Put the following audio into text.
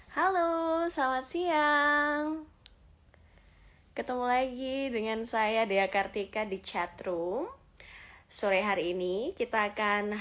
halo selamat siang ketemu lagi dengan saya dea kartika di chatroom sore hari ini kita akan